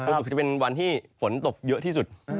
ศุกร์จะเป็นวันที่ฝนตกเยอะที่สุด